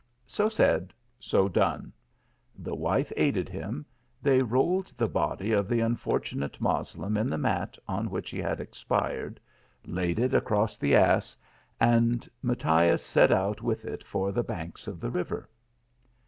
So said, so done. The wife aided him : they rolled the THE MOORS LEGACY. 165 body of the unfortunate Moslem in the mat on which he had expired, laid it across the ass, and Mattias set out with it for the banks of the river.